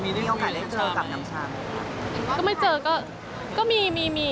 มีเรื่องโอกาสได้เจอกับน้องชาติ